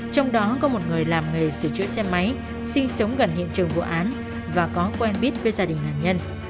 trong đó có một người làm nghề sửa chữa xe máy sinh sống gần hiện trường vụ án và có quen biết với gia đình nạn nhân